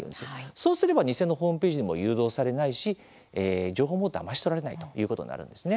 そうすれば偽のホームページにも誘導されないし情報もだまし取られないということになるんですね。